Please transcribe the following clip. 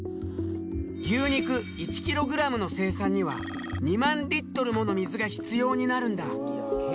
牛肉１キログラムの生産には２万リットルもの水が必要になるんだ。